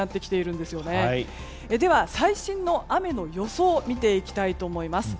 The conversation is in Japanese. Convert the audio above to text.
では、最新の雨の予想を見ていきたいと思います。